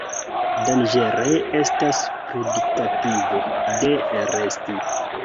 Danĝere estas predikativo de resti.